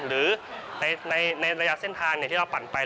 หรือในระยะเส้นทางที่เราปั่นไป